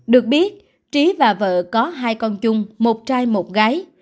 được biết trí và vợ có hai con chung một trai một gái